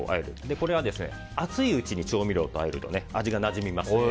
これは熱いうちに調味料とあえると味がなじみますので。